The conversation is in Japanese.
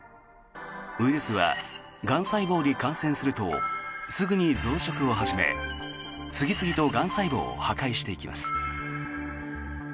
ウイルスはがん細胞に感染するとすぐに増殖を始め次々とがん細胞を破壊していきます。